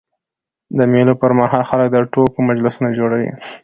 د مېلو پر مهال خلک د ټوکو مجلسونه جوړوي.